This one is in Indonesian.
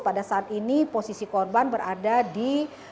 pada saat ini posisi korban berada di